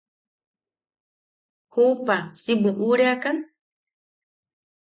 –¿Juupa si buʼureakan?